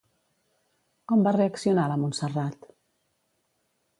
Com va reaccionar la Montserrat?